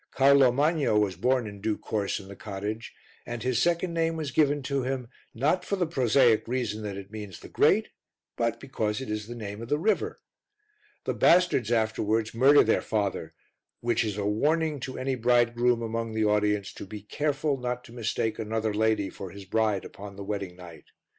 Carlo Magno was born in due course in the cottage, and his second name was given to him, not for the prosaic reason that it means the Great, but because it is the name of the river. The bastards afterwards murder their father, which is a warning to any bridegroom among the audience to be careful not to mistake another lady for his bride upon the wedding night.